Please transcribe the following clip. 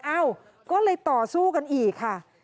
เอ้าก็เลยต่อสู้กันอีกค่ะ